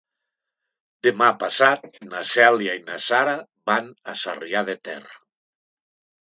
Demà passat na Cèlia i na Sara van a Sarrià de Ter.